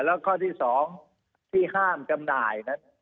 แล้วข้อที่๒ที่ห้ามจำหน่ายนั้น